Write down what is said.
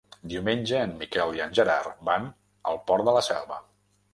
Diumenge en Miquel i en Gerard van al Port de la Selva.